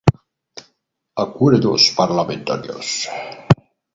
Acuerdos parlamentarios.